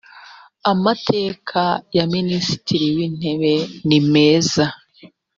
amateka ya minisitiri wintebe ni meza